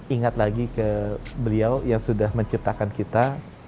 ingat lagi ke beliau yang sudah menciptakan kita